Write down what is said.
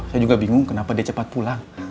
saya juga bingung kenapa dia cepat pulang